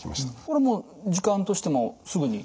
これはもう時間としてもすぐに？